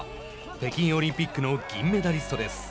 北京オリンピックの銀メダリストです。